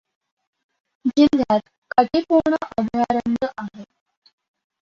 जिल्ह्यात काटेपूर्णा अभयारण्य आहे.